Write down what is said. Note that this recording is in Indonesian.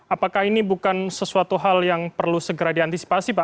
apakah ini bukan sesuatu hal yang perlu segera diantisipasi pak